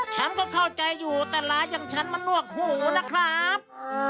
ฉันก็เข้าใจอยู่แต่ลายังฉันนั่วหูนะครับ